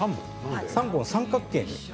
３本三角形に。